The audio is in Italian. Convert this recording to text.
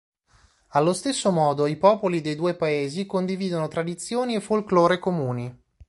Allo stesso modo, i popoli dei due paesi condividono tradizioni e folclore comuni.